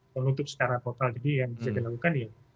menutup secara total jadi yang bisa dilakukan